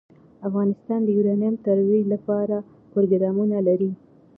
افغانستان د یورانیم د ترویج لپاره پروګرامونه لري.